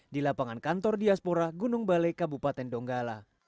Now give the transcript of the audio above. di lapangan kantor diaspora gunung balai kabupaten donggala